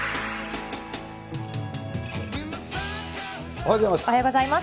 おはようございます。